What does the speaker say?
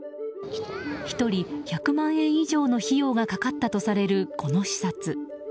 １人１００万円以上の費用が掛かったとされるこの視察。